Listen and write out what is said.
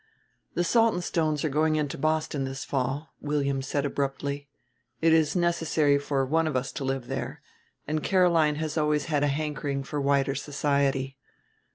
"The Saltonstones are going into Boston this fall," William said abruptly. "It is necessary for one of us to live there; and Caroline has always had a hankering for wider society.